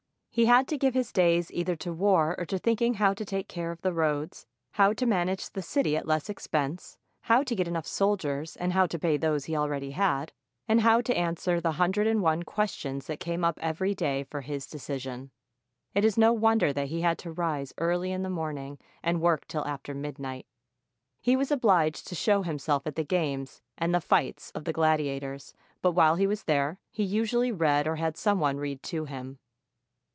He had to give his days either to war or to thinking how to take care of the roads, how to manage the city at less 514 MARCUS AURELIUS expense, how to get enough soldiers and how to pay those that he already had, and how to answer the hun dred and one questions that came up every day for his decision. It is no wonder that he had to rise early in the morning and work till after midnight. He was obliged to show himself at the games and the fights of the gladia tors; but while he was there, he usually read or had some one read to him.